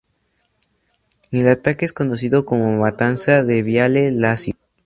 El ataque es conocido como Matanza de Viale Lazio.